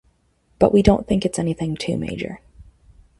But we don’t think it’s anything too major.